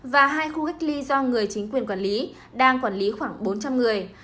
và hai khu cách ly do người chính quyền quản lý đang quản lý khoảng bốn trăm linh người